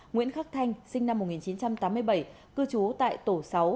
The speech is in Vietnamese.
nguyễn khắc thanh sinh năm một nghìn chín trăm tám mươi bảy cư trú tại tổ sáu